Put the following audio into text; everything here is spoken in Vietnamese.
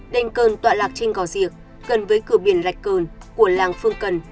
đền cơn tọa lạc trên gò diệt gần với cửa biển lạch cơn của làng phương cần